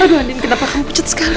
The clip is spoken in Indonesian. aduh andien kenapa kamu pucet sekali